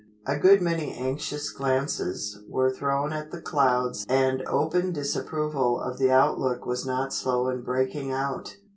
A good many anxious glances were thrown at the clouds and open disapproval of the outlook was not slow in breaking out.